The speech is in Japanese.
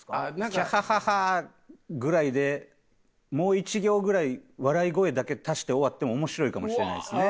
「きゃははは」ぐらいでもう１行ぐらい笑い声だけ足して終わっても面白いかもしれないですね。